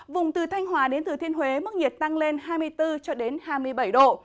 vùng từ thanh hòa đến thừa thiên huế mức nhiệt tăng lên hai mươi bốn cho đến hai mươi bảy độ